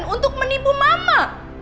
untuk menipu mama